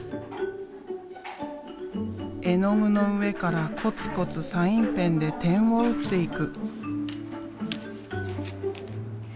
絵の具の上からこつこつサインペンで点を打っていく。